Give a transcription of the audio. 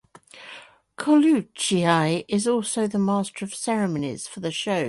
Colucci is also the master of ceremonies for the shows.